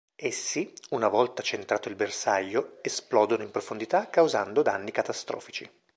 Essi, una volta centrato il bersaglio, esplodono in profondità causando danni catastrofici.